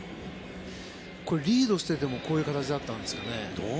リードしていてもこういう形だったんですかね。